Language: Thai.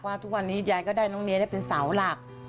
ว่าทุกวันนี้ยายก็ได้น้องเนธเป็นเสาหลัก